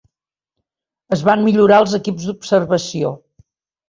Es van millorar els equips d'observació.